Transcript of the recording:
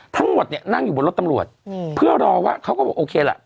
ทั้งหมดเนี่ยนั่งอยู่บนรถตำรวจเพื่อรอว่าเขาก็บอกโอเคล่ะ